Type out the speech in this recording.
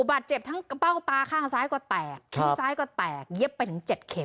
บาดเจ็บทั้งกระเป้าตาข้างซ้ายก็แตกข้างซ้ายก็แตกเย็บไปถึง๗เข็ม